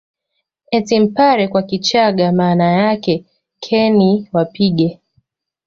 Eti mpare kwa Kichaga maana yake ke ni wapige